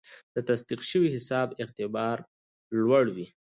د تصدیق شوي حساب اعتبار لوړ وي.